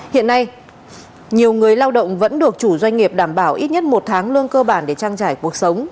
hiện nay nhiều người lao động vẫn được chủ doanh nghiệp đảm bảo ít nhất một tháng lương cơ bản để trang trải cuộc sống